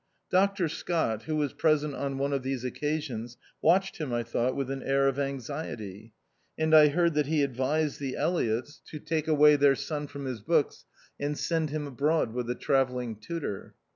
Dr. Scott, who was present on one of these occasions, watched him, I thought, with an air of anxiety; and I heard that he advised the Elliotts to 4 THE 0U1CAST. take away their son from his books and send him abroad with a travelling tutor.